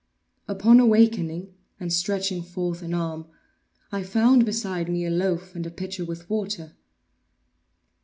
Upon awaking, and stretching forth an arm, I found beside me a loaf and a pitcher with water.